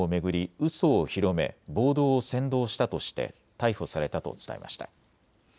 うそを広め暴動を扇動したとして逮捕されたと伝えました。